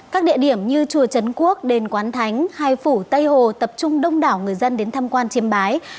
các địa điểm như chùa trấn quốc đền quán thánh hai phủ tây hồ tập trung đông đảo người dân đến tham quan chiêm bái